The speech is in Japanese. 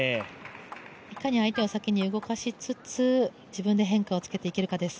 いかに相手を先に動かしつつ自分で変化をつけていけるかです。